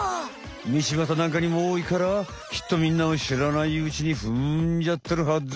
みちばたなんかにもおおいからきっとみんなもしらないうちにふんじゃってるはず。